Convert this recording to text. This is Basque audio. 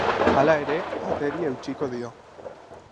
Hala ere, ateri eutsiko dio.